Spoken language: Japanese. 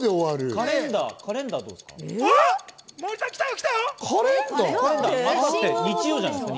カレンダーはどうですか？